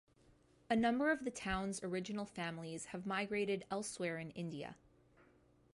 A number of the town's original families have migrated elsewhere in India.